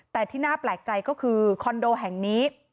แต่ที่น่าแปลกใจก็คือคอนโดแห่งนี้